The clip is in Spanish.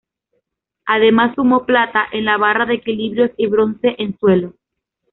Además sumó plata en la barra de equilibrios y bronce en suelo.